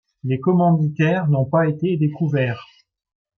Les commanditaires n'ont pas été découverts.